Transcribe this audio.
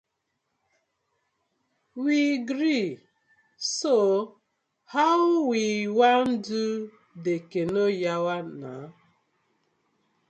We gree, so how we wan do de canoe yawa naw?